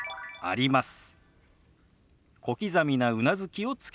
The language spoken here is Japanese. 「あります」。